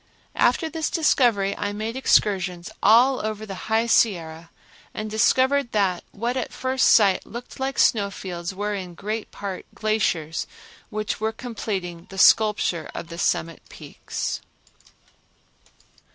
After this discovery I made excursions over all the High Sierra and discovered that what at first sight looked like snowfields were in great part glaciers which were completing the sculpture of the summit peaks.